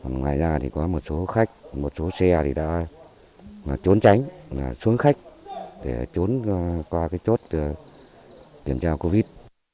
ngoài ra có một số xe đã trốn tránh xuống khách để trốn qua chốt kiểm tra covid một mươi chín